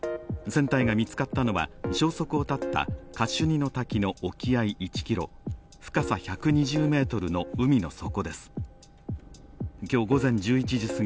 船体が見つかったのは消息を絶ったカシュニの滝の沖合１ｋｍ、深さ１２０ｍの海の底です。